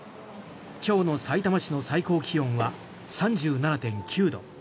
今日のさいたま市の最高気温は３７．９度。